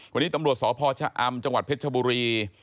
วันนี้ตำรวจสพชะอำจังหวัดเพชรชบุรี